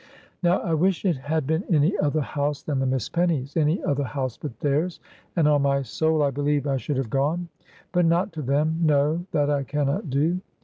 Now, I wish it had been any other house than the Miss Pennies; any other house but theirs, and on my soul I believe I should have gone. But not to them no, that I can not do.